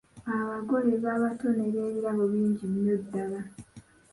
Abagole babatonera ebirabo bingi nnyo ddala.